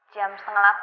jam setengah delapan